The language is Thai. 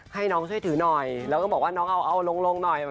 ให้น้องช่วยทือหน่อยบอกมาแล้วเอาว่าลงใช่ป่ะ